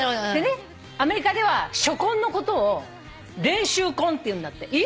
でねアメリカでは初婚のことを練習婚っていうんだって。